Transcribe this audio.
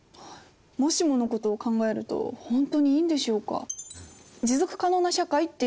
もしものことを考えると本当にいいんでしょうか？